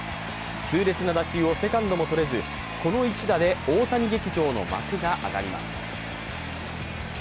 痛烈な打球をセカンドもとれずこの一打で大谷劇場の幕が上がります。